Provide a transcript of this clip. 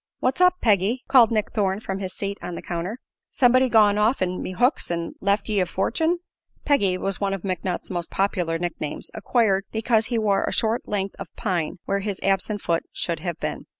"What's up, Peggy?" called Nick Thorne from his seat on the counter. "Somebody gone off'n me hooks an' left ye a fortun'?" "Peggy" was one of McNutt's most popular nicknames, acquired because he wore a short length of pine where his absent foot should have been.